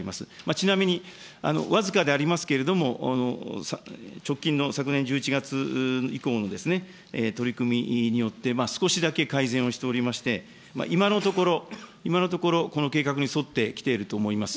ちなみに、僅かでありますけれども、直近の昨年１１月以降の取り組みによって、少しだけ改善をしておりまして、今のところ、今のところ、この計画に沿ってきていると思います。